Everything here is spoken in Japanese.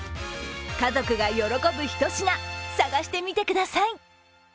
家族が喜ぶ一品、探してみてください。